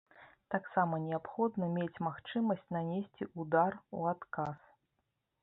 Таксама неабходна мець магчымасць нанесці ўдар у адказ.